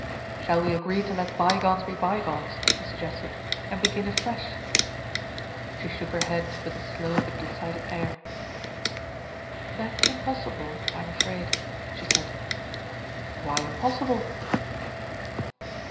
"Shall we agree to let bygones be bygones," he sug gested, "and begin afresh?" She shook her head with a slow but decided air. "That is impossible, I'm afraid," she said. "Why impossible?"